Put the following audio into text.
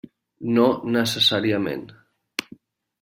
No necessàriament.